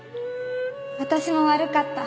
私も悪かった。